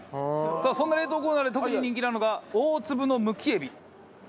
さあそんな冷凍コーナーで特に人気なのが大粒のむきえび。